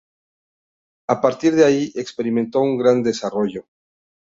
A partir de ahí, experimentó un gran desarrollo.